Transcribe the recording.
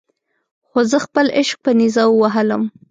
خو زه خپل عشق په نیزه ووهلم.